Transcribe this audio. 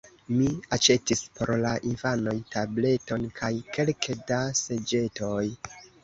Mi aĉetis por la infanoj tableton kaj kelke da seĝetoj.